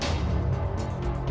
kasian tahu keatna